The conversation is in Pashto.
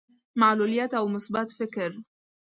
معلوليت او مثبت فکر.